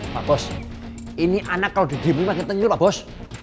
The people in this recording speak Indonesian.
pak bos ini anak kalau didihm lagi nge tengil pak bos